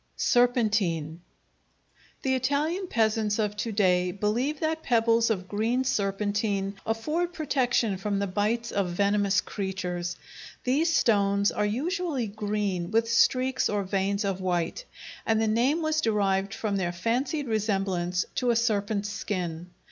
Serpentine The Italian peasants of to day believe that pebbles of green serpentine afford protection from the bites of venomous creatures. These stones are usually green with streaks or veins of white, and the name was derived from their fancied resemblance to a serpent's skin.